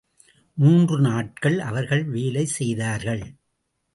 மூன்று நாட்கள் அவர்கள் வேலை செய்தார்கள்.